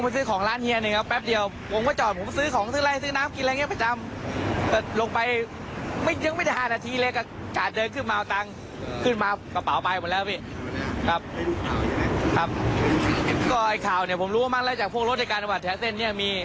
เท่าเนี่ยผมรู้ว่าบ้างเลยจากพวกรถการกระบวัดแถวแสนเนี่ยมี